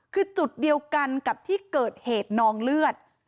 คือจุดเดียวกันกับที่เกิดเหตุนองเลือด